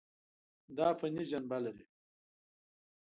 دا فني جنبه لري.